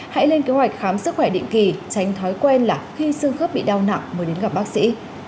hãy lên kế hoạch khám sức khỏe định kỳ tránh thói quen là khi xương khớp bị đau nặng mới đến gặp bác sĩ